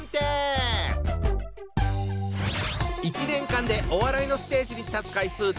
１年間でお笑いのステージに立つ回数